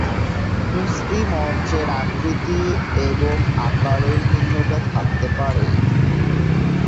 কুস্তি মঞ্চের আকৃতি এবং আকারের ভিন্নতা থাকতে পারে।